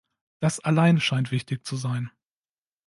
Das allein scheint wichtig zu sein.